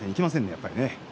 やっぱり。